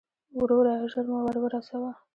وروره، ژر مو ور ورسوه.